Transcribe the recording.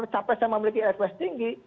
capres yang memiliki airpres tinggi